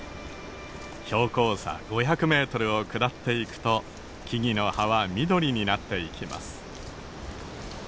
標高差５００ｍを下っていくと木々の葉は緑になっていきます。